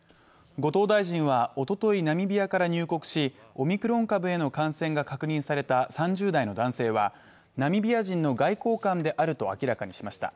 後藤大臣はおとといナミビアから入国しオミクロン株への感染が確認された３０代の男性は、ナミビア人の外交官であると明らかにしました。